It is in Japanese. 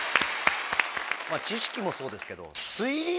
知識もそうですけど。